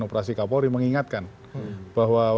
operasi kapolri mengingatkan bahwa